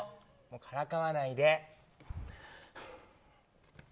からかわないで。